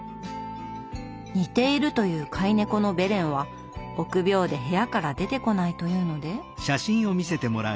似ているという飼い猫のベレンは臆病で部屋から出てこないというので。